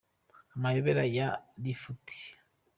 Amayobera ya lifuti